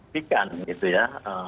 pikan gitu ya